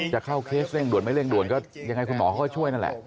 จะเข้าเคสเร่งด่วนไม่เร่งด่วนก็ยังไงคุณหมอเขาก็ช่วยนั่นแหละ